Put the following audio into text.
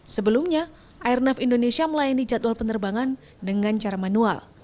sebelumnya airnav indonesia melayani jadwal penerbangan dengan cara manual